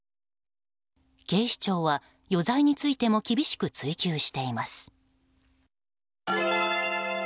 警視庁は、余罪についても厳しく追及しています。